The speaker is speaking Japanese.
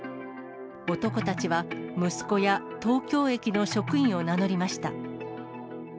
男たちは息子や東京駅の職員を名乗りました。